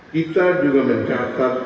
kita juga mencatat